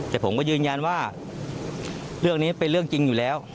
แต่ผมก็ยืนยันว่าเรื่องนี้เป็นเรื่องจริงอยู่แล้ว